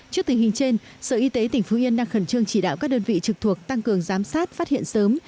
trước tình hình trên sở y tế tỉnh phú yên đang khẩn trương chỉ đạo các đơn vị trực thuộc tăng cường giám sát phát hiện sớm